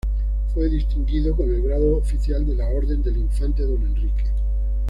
Fue distinguido con el grado Oficial de la Orden del Infante D. Henrique.